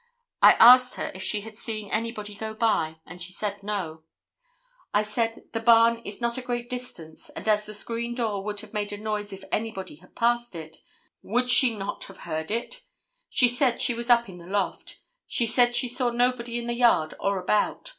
I asked her if she had seen anybody go by, and she said no. I said, 'The barn is not a great distance, and as the screen door would have made a noise if anybody had passed it, would she not have heard it.' She said she was up in the loft. She said she saw nobody in the yard or about.